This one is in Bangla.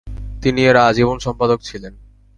তিনি এর আজীবন সম্পাদক ছিলেন।